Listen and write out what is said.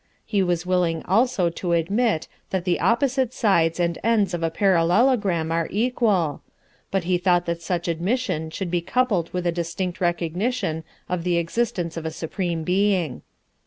He was willing also to admit that the opposite sides and ends of a parallelogram are equal, but he thought that such admission should be coupled with a distinct recognition of the existence of a Supreme Being.